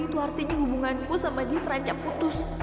itu artinya hubunganku sama dia terancam putus